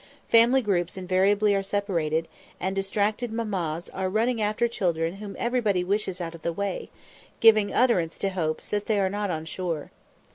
Family groups invariably are separated, and distracted mammas are running after children whom everybody wishes out of the way, giving utterance to hopes that they are not on shore.